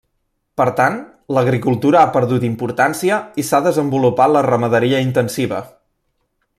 Per tant, l'agricultura ha perdut importància i s'ha desenvolupat la ramaderia intensiva.